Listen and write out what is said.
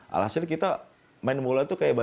alhasil kita main bola itu kayak bayang